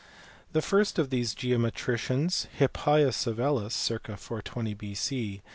The first of these geometricians, Hippias of Elis (circ. 420 B.C.)